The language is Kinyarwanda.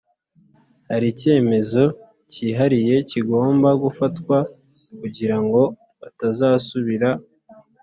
Hari icyemezo kihariye kigomba gufatwa kugira ngo bitazasubira